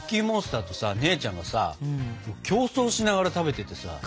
モンスターとさ姉ちゃんがさ競争しながら食べててさ。